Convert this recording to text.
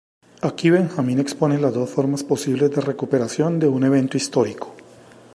Aquí Benjamin expone las dos formas posibles de recuperación de un evento histórico.